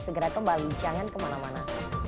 segera kembali jangan kemana mana